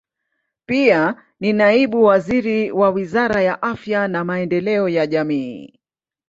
Pia ni naibu waziri wa Wizara ya Afya na Maendeleo ya Jamii.